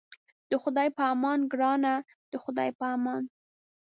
د خدای په امان ګرانه د خدای په امان.